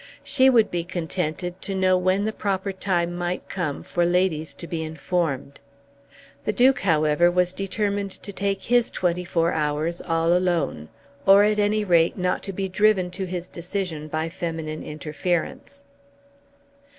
She would be contented to know when the proper time might come for ladies to be informed. The Duke, however, was determined to take his twenty four hours all alone, or at any rate not to be driven to his decision by feminine interference.